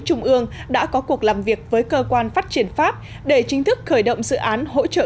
trung ương đã có cuộc làm việc với cơ quan phát triển pháp để chính thức khởi động dự án hỗ trợ